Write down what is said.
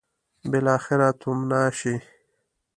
بالاخره تومنه شي.